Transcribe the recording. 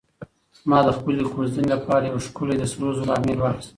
ما د خپلې کوژدنې لپاره یو ښکلی د سرو زرو امیل واخیست.